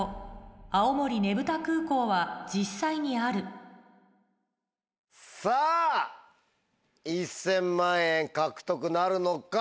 「青森ねぶた空港」は実際にあるさぁ１０００万円獲得なるのか？